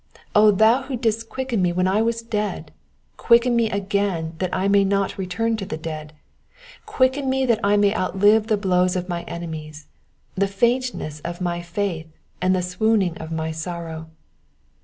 O thou who didst quicken me when I was dead, quicken me again that I may not return to the dead I Quicken me that 1 may outlive the blows of my enemies, the faintness of my faith, and the swooning of my sorrow.